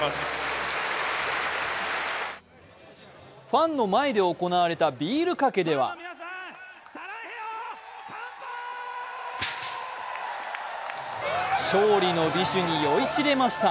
ファンの前で行われたビールかけでは勝利の美酒に酔いしれました。